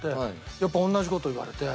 やっぱり同じ事言われて。